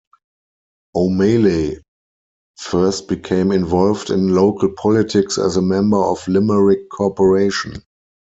O'Malley first became involved in local politics as a member of Limerick Corporation.